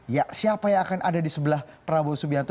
ya siapa yang akan ada di sebelah prabowo subianto